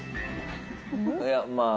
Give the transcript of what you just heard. いやまあ。